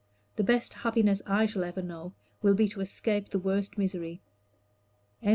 The best happiness I shall ever know, will be to escape the worst misery." CHAPTER II.